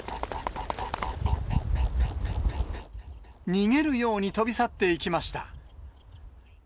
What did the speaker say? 逃げるように飛び去っていきました。